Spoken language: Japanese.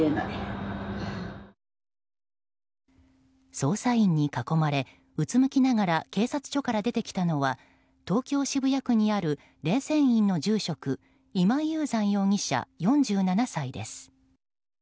捜査員に囲まれうつむきながら警察署から出てきたのは東京・渋谷区にある霊泉院の住職今井雄山容疑者、４７歳です。